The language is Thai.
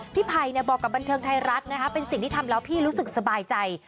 ไผ่บอกกับบันเทิงไทยรัฐนะคะเป็นสิ่งที่ทำแล้วพี่รู้สึกสบายใจ